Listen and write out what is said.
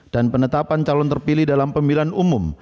dan penetapan calon terpilih dalam pemilihan umum